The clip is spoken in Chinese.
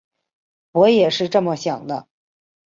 我也是这么想的